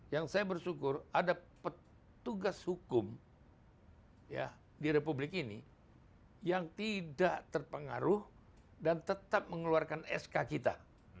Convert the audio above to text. yang saya bersyukur ada petugas hukum di republik ini yang tidak terpengaruh dan tetap mengeluarkan sk kita